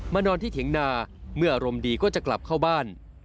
นอนที่เถียงนาเมื่ออารมณ์ดีก็จะกลับเข้าบ้าน